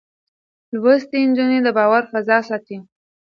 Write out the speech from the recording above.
لوستې نجونې د باور فضا ساتي.